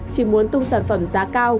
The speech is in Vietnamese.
chỉ muốn tung sản phẩm giá cao